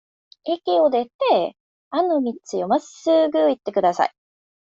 駅を出て、あの道をまっすぐ行ってください。